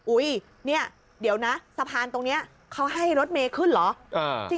อุ๊ยเนี่ยเดี๋ยวนะสะพานตรงนี้เขาให้รถเมย์ขึ้นเหรอ